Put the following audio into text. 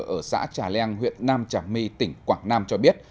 ở xã trà leng huyện nam trà my tỉnh quảng nam cho biết